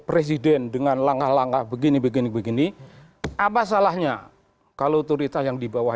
presiden dengan langkah langkah begini begini begini apa salahnya kalau turis yang dibawah